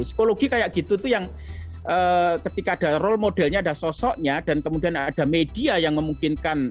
psikologi kayak gitu tuh yang ketika ada role modelnya ada sosoknya dan kemudian ada media yang memungkinkan